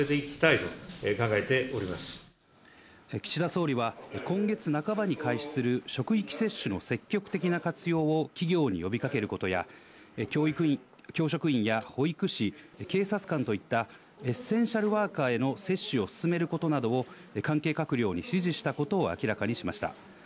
岸田総理は今月半ばに開始する職域接種の積極的な活用を企業に呼びかけることや教職員や保育士、警察官といったエッセンシャルワーカーへの接種を進めることなどを関係閣僚に指示したことを明らかにしました。